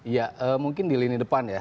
ya mungkin di lini depan ya